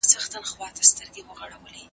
دا زده کړه موږ ته نرمښت راکوي.